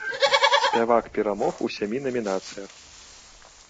Спявак перамог у сямі намінацыях.